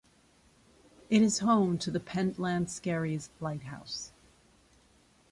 It is home to the Pentland Skerries Lighthouse.